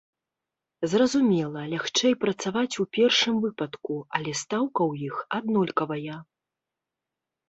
Зразумела, лягчэй працаваць у першым выпадку, але стаўка ў іх аднолькавая.